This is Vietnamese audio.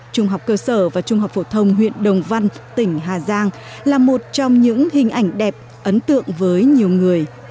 trung học cơ sở và trung học phổ thông huyện đồng văn tỉnh hà giang là một trong những hình ảnh đẹp ấn tượng với nhiều người